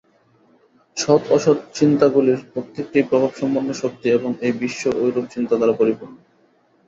সৎ ও অসৎ চিন্তাগুলির প্রত্যেকটিই প্রভাবসম্পন্ন শক্তি এবং এই বিশ্ব ঐরূপ চিন্তা দ্বারা পরিপূর্ণ।